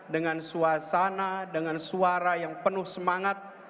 dengan suasana dengan suara yang penuh semangat